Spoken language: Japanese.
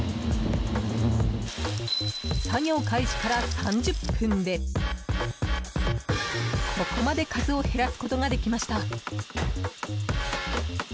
作業開始から３０分でここまで数を減らすことができました。